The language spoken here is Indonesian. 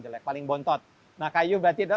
jelek paling bontot nah kayu berarti ada